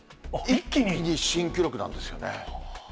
一気に新記録なんですよね。